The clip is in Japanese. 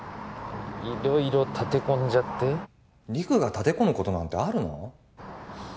色々立て込んじゃって陸が立て込むことなんてあるの？